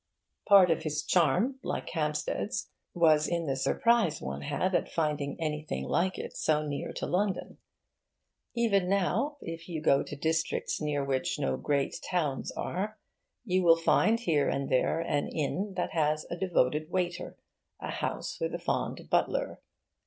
Part of his charm, like Hampstead's, was in the surprise one had at finding anything like it so near to London. Even now, if you go to districts near which no great towns are, you will find here and there an inn that has a devoted waiter, a house with a fond butler.